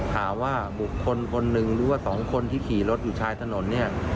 หาว่าบุคคลคนหนึ่งหรือว่าสองคนที่ขี่รถอยู่ชายถนนเนี่ย